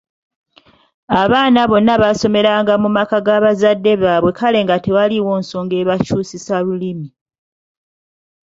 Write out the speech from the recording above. Abaana bonna baasomeranga mu maka ga bazadde baabwe kale nga tewaliiwo nsonga ebakyusisa Lulimi.